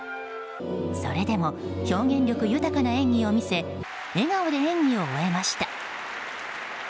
それでも表現力豊かな演技を見せ笑顔で演技を終えました。